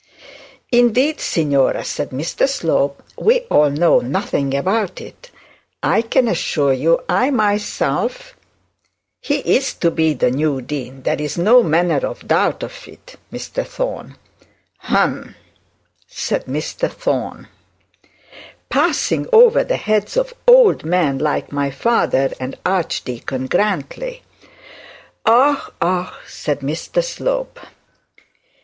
'Indeed, signora,' said Mr Slope, 'we all know nothing about it. I can assure you I myself ' 'He is to be the new dean there is no manner of doubt of it, Mr Thorne.' 'Hum,' said Mr Thorne. 'Passing over the heads of old men like my father and Archdeacon Grantly ' 'Oh oh!' said Mr Slope.